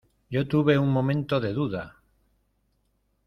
yo tuve un momento de duda: